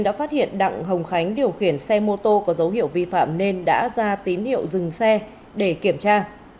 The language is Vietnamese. đã phát hiện đặng hồng khánh điều khiển xe mô tô có dấu hiệu vi phạm nên đã ra tín hiệu dừng xe để kiểm tra